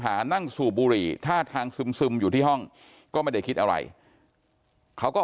หานั่งสูบบุหรี่ท่าทางซึมอยู่ที่ห้องก็ไม่ได้คิดอะไรเขาก็